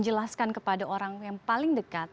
itu salah satu bisa dibilang titik yang saya inginkan